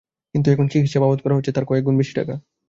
কিন্তু এখন চিকিৎসা বাবদ খরচ হচ্ছে তার কয়েক গুণ বেশি টাকা।